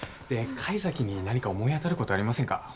で甲斐崎に何か思い当たることありませんか？